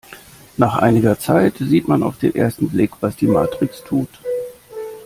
Nach einiger Zeit sieht man auf den ersten Blick, was die Matrix tut.